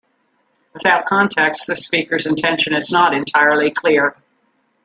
Without context, the speaker's intention is not entirely clear.